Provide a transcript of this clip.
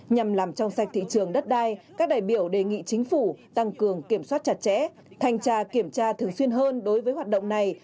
nhằm làm trong sạch thị trường đất đai các đại biểu đề nghị chính phủ tăng cường kiểm soát chặt chẽ thanh tra kiểm tra thường xuyên hơn đối với hoạt động này